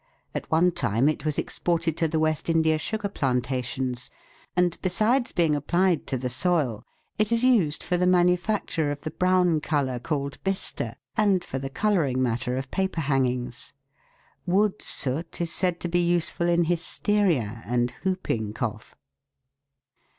At one time it was exported to the West India sugar planta tions \ and besides being applied to the soil, it is used for the manufacture of the brown colour called bistre, and for the colouring matter of paper hangings. Wood soot is said to be useful in hysteria and whooping cough.